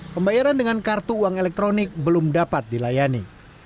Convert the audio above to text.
pembayaran dengan kartu uang elektronik belum dapat dilayani